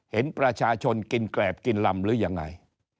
เห็นประชาชนกินแกรบกินลำหรือยังไง